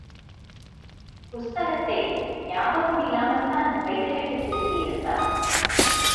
புஸ்தகத்தை ஞாபகம் இல்லாமல்தான் வைத்துவிட்டுத் திரும்பியிருந்தான்.